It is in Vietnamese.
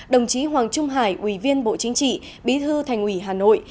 đồng chí hoàng trung hải ủy viên bộ chính trị bí thư thành ủy hà nội